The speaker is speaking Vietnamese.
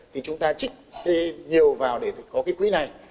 thì chúng ta trích nhiều vào để có cái quỹ này